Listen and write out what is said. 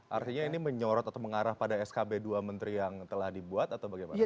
artinya ini menyorot atau mengarah pada skb dua menteri yang telah dibuat atau bagaimana